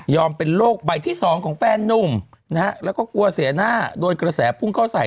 เป็นโรคใบที่สองของแฟนนุ่มนะฮะแล้วก็กลัวเสียหน้าโดนกระแสพุ่งเข้าใส่